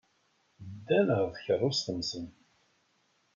Ddan ɣer tkeṛṛust-nsen.